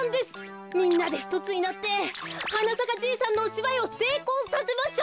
みんなでひとつになって「はなさかじいさん」のおしばいをせいこうさせましょう！